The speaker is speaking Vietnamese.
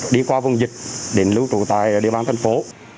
đi qua vùng dịch để lưu trụ tại địa bàn thân phố